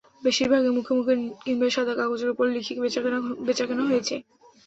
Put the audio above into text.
বেশির ভাগই মুখে মুখে কিংবা সাদা কাগজের ওপর লিখে বেচাকেনা হয়েছে।